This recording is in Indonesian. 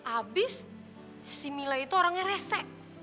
abis si mila itu orangnya rese